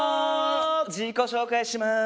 自己紹介します。